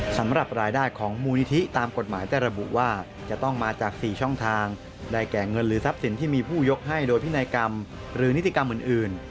สำหรับรายได้ของมูลนิธิตามกฎหมายจะระบุว่าจะต้องมาจาก๔ช่องทางได้แก่เงินหรือทรัพย์สินที่มีผู้ยกให้โดยพินัยกรรมหรือนิติกรรมอื่น